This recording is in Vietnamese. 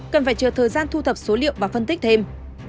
cần phải chờ thời gian thu thập số liệu và phân tích thêm